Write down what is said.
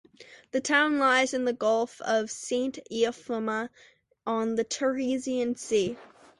The town lies in the Gulf of Saint Eufemia, on the Tyrrhenian Sea.